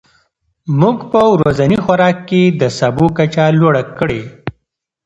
موږ په ورځني خوراک کې د سبو کچه لوړه کړې.